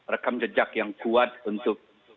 rekam jejak yang kuat untuk